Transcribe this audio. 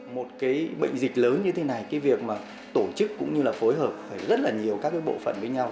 một cái bệnh dịch lớn như thế này cái việc mà tổ chức cũng như là phối hợp phải rất là nhiều các cái bộ phận với nhau